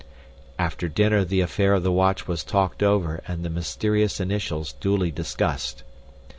After dinner the affair of the watch was talked over and the mysterious initials duly discussed.